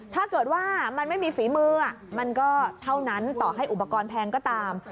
ถ้าเกิดว่ามันไม่มีฝีมือมันก็เท่านั้นต่อให้อุปกรณ์แพงก็ตาม